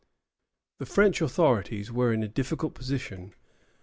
The French authorities were in a difficult position.